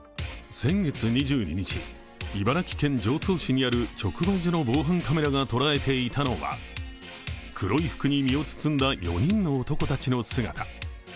先月２２日、茨城県常総市にある直売所の防犯カメラが捉えていたのは黒い服に身を包んだ４人の男たちの姿。